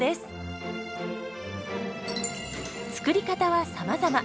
作り方はさまざま。